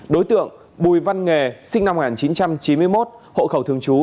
đối tượng bùi văn nghề sinh năm một nghìn chín trăm chín mươi một hộ khẩu thường trú